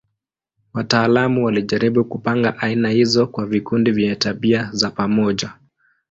Wataalamu walijaribu kupanga aina hizo kwa vikundi vyenye tabia za pamoja.